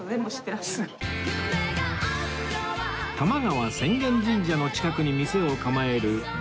多摩川浅間神社の近くに店を構える大黒堂